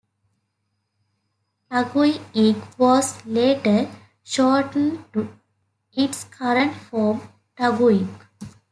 "Tagui-ig" was later shortened to its current form "Taguig.